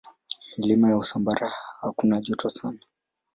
Milima ya Usambara hakuna joto sana.